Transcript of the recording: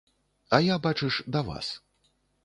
А я, бачыш, да вас.